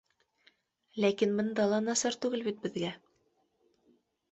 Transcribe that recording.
Ләкин бында ла насар түгел бит беҙгә